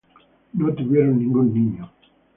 No tuvieron ningún niño.